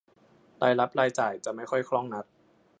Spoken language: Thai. รายรับรายจ่ายจะไม่ค่อยคล่องนัก